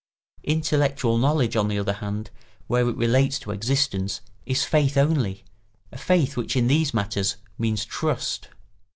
Intellectual knowledge, on the other hand, where it relates to existence, is faith only, a faith which in these matters means trust.